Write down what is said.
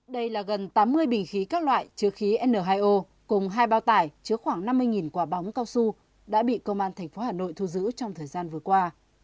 đây là gần tám mươi bình khí các loại chứa khí n hai o cùng hai bao tải chứa khoảng năm mươi quả bóng cao su đã bị công an tp hà nội thu giữ trong thời gian vừa qua